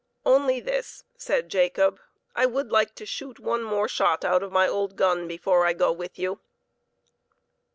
"Only this," said Jacob: "I would like to shoot one more shot out of my old gun before I go with you."